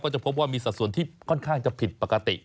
จะพบว่ามีสัดส่วนที่ค่อนข้างจะผิดปกติ